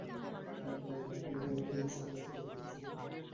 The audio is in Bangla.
গবেষণা প্রতিবেদনে সৃজনশীল পদ্ধতির বিষয়ে শিক্ষার্থীদের অবস্থানও তুলে ধরা হয়।